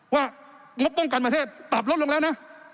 งบป้องกันประเทศปรับลดลงแล้วนะ